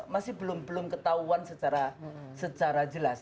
masih belum ketahuan secara jelas